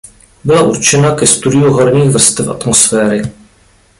Byla určena ke studiu horních vrstev atmosféry.